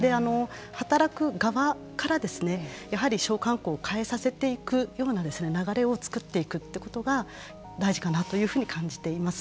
働く側からやはり商慣行を変えさせていくような流れを作っていくということが大事かなというふうに感じています。